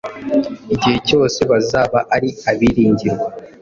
igihe cyose bazaba ari abiringirwa,